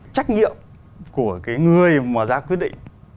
trách nhiệm của cái người mà ra quyết định